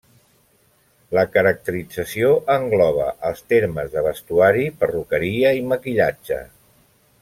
La caracterització engloba els termes de vestuari, perruqueria i maquillatge.